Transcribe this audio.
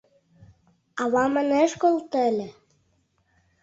— Авам ынеж колто ыле.